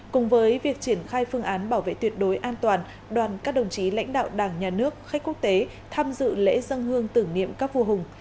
cùng với việc triển khai phương án bảo vệ tuyệt đối an toàn đoàn các đồng chí lãnh đạo đảng nhà nước khách quốc tế tham dự lễ dân hương tưởng niệm các vua hùng